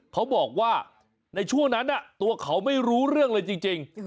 เขาบอกว่าในช่วงนั้นตัวเขาไม่รู้เรื่องเลยจริง